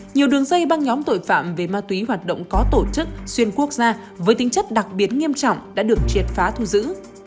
nhiều đường dây băng nhóm tội phạm về ma túy hoạt động có tổ chức xuyên quốc gia với tính chất đặc biệt nghiêm trọng đã được triệt phá thu giữ